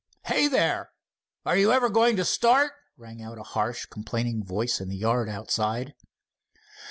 "Hey, there! are you ever going to start?" rang out a harsh, complaining voice in the yard outside.